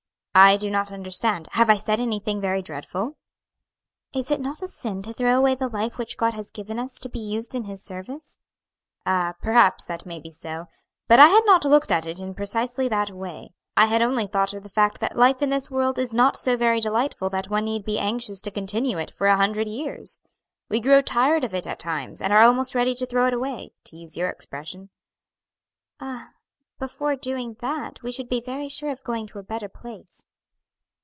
"I do not understand; have I said anything very dreadful?" "Is it not a sin to throw away the life which God has given us to be used in His service?" "Ah, perhaps that may be so; but I had not looked at it in precisely that way. I had only thought of the fact that life in this world is not so very delightful that one need be anxious to continue it for a hundred years. We grow tired of it at times, and are almost ready to throw it away; to use your expression." "Ah, before doing that we should be very sure of going to a better place."